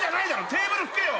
テーブル拭けよ。